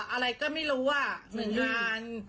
อะไรก็มิรู้อ่ะหนึ่งล้าน